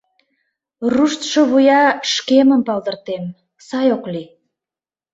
Руштшо вуя шкемым палдыртем, сай ок лий.